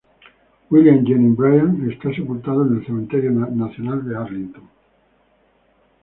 William Jennings Bryan está sepultado en el Cementerio Nacional de Arlington.